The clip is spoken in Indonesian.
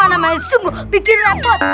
aduh aduh aduh